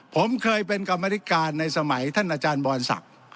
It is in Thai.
ผมเคยเป็นกรรมนิการในสมัยท่านอาจารย์บอนศักดิ์